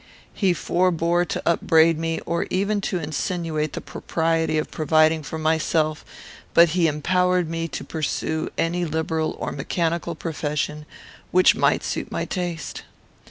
He forbore to upbraid me, or even to insinuate the propriety of providing for myself; but he empowered me to pursue any liberal or mechanical profession which might suit my taste.